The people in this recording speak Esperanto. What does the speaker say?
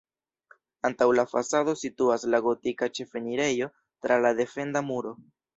Antaŭ la fasado situas la gotika ĉefenirejo tra la defenda muro.